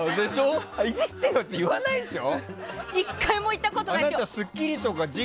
いじってよって言わないでしょ。